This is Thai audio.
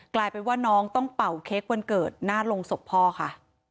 กลายเป็นว่าน้องต้องเป่าเค้กวันเกิดหน้าโรงศพพ่อค่ะ